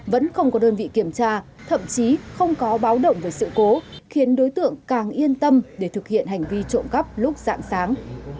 vẫn không có đơn vị kiểm tra thậm chí không có báo động về sự cố khiến đối tượng càng yên tâm để thực hiện hành vi trộm cắp lúc dạng sáng